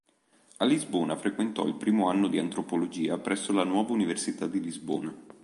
A Lisbona frequentò il primo anno di Antropologia presso la Nuova Università di Lisbona.